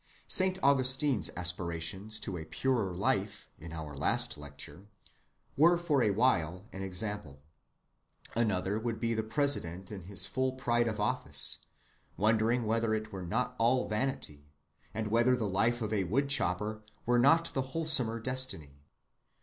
Saint Augustine's aspirations to a purer life, in our last lecture, were for a while an example. Another would be the President in his full pride of office, wondering whether it were not all vanity, and whether the life of a wood‐chopper were not the wholesomer destiny.